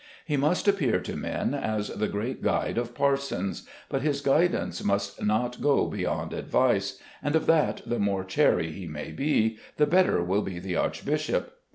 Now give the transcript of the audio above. He must appear to men as the great guide of parsons, but his guidance must not go beyond advice, and of that the more chary he may be, the better will be the archbishop.